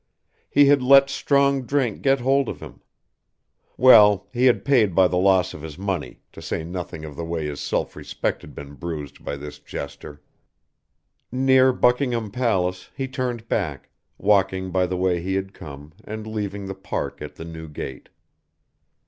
He had let strong drink get hold of him; well, he had paid by the loss of his money, to say nothing of the way his self respect had been bruised by this jester. Near Buckingham Palace he turned back, walking by the way he had come, and leaving the park at the new gate.